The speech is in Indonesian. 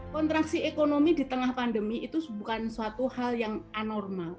kontraksi ekonomi di tengah pandemi itu bukan suatu hal yang anormal